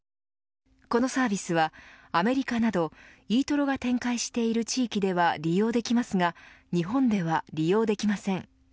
このサービスはアメリカなどｅＴｏｒｏが展開している地域では利用できますが日本では利用できません。